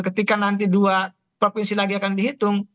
ketika nanti dua provinsi lagi akan dihitung